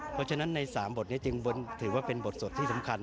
เพราะฉะนั้นใน๓บทนี้จึงถือว่าเป็นบทสดที่สำคัญ